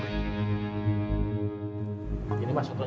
jadi gue akan jalanin